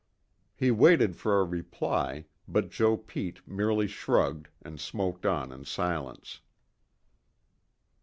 He waited for a reply, but Joe Pete merely shrugged, and smoked on in silence.